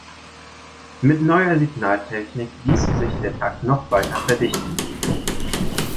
Mit neuer Signaltechnik ließe sich der Takt noch weiter verdichten.